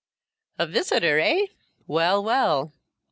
"A visitor, eh? Well, well.